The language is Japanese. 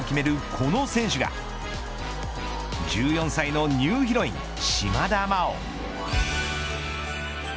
この選手が１４歳のニューヒロイン島田麻央。